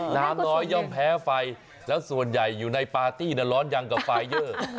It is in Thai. น้ำน้อยย่อมแพ้ไฟแล้วส่วนใหญ่อยู่ในปาร์ตี้ร้อนยังกับไฟเยอร์